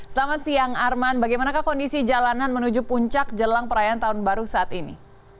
selamat siang arman bagaimana kondisi jalanan menuju puncak jelang perayaan tahun baru saat ini